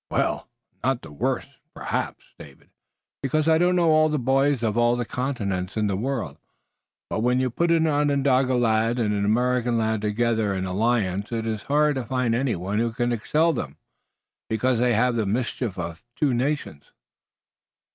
"Well, not the worst, perhaps, David, because I don't know all the boys uf all the countries in the world, but when you put an Onondaga lad und an American lad together in alliance it iss hard to find any one who can excel them, because they haf the mischief uf two nations."